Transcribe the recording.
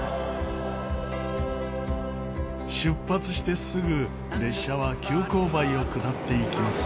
出発してすぐ列車は急勾配を下っていきます。